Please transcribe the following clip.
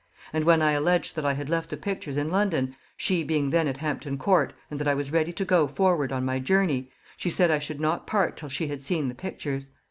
And when I alleged that I had left the pictures in London, she being then at Hampton Court, and that I was ready to go forward on my journey, she said I should not part till she had seen the pictures.